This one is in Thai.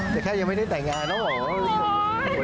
แต่แค่ยังไม่ได้แต่งงานแล้วเหรอ